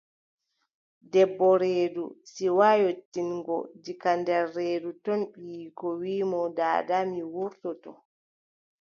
Debbo reedu, siwaa yottingo, diga nder reedu ton ɓiyiiko wiʼi mo: daada mi wurtoto.